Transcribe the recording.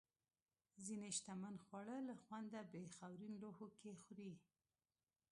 ځینې شتمن خواړه له خونده په خاورین لوښو کې خوري.